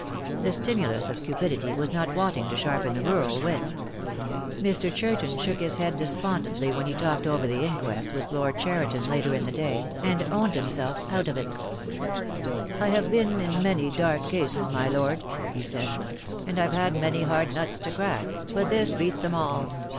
The stimulus of cupidity was not wanting to sharpen the rural wit. Mr. Churton shook his head despondently when he talked over the inquest with Lord Cheriton later in the day, and owned himself "out of it" 128 THE DAY WILL COME, "I have been in many dark cases, my Lord," he said, "and I've had many hard nuts to crack, but this beats 'em all.